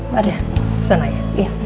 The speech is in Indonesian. pada sana ya